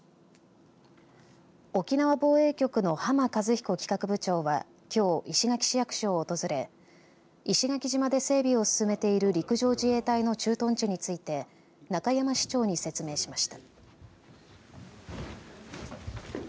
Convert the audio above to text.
沖縄防衛局の濱和彦企画部長はきょう石垣市役所を訪れ石垣島で整備を進めている陸上自衛隊の駐屯地について中山市長に説明しました。